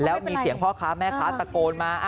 แล้วมีเสียงพ่อค้าแม่ค้าตะโกนมา